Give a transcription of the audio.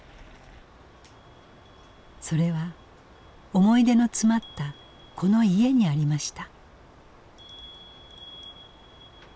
それは思い出の詰まったこの家にありました。